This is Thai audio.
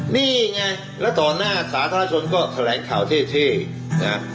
นี่ไงแล้วต่อหน้าสาธารณชนก็แถลงข่าวเท่นะ